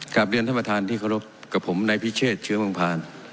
กลับเรียนท่านประธานที่เคารพกับผมในพิเชษเชื้อเมืองพาน